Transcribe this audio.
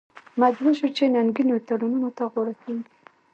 مجبور شو چې ننګینو تړونونو ته غاړه کېږدي.